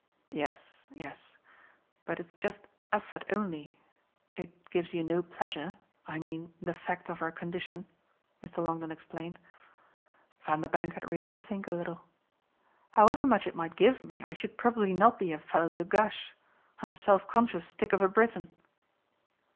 "Yes, yes. But it's just effort only? It gives you no pleasure? I mean the fact of her condition," Mr. Longdon explained. Vanderbank had really to think a little. "However much it might give me I should probably not be a fellow to gush. I'm a self conscious stick of a Briton."